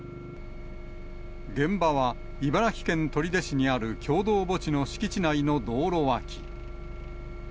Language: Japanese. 現場は、茨城県取手市にある共同墓地の敷地内の道路脇。